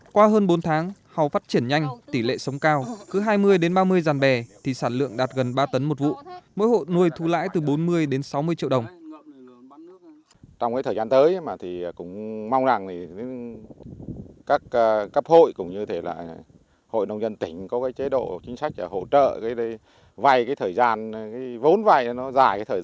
qua hơn bốn tháng hầu phát triển nhanh tỷ lệ sống cao cứ hai mươi ba mươi ràn bè thì sản lượng đạt gần ba tấn một vụ mỗi hộ nuôi thu lãi từ bốn mươi sáu mươi triệu đồng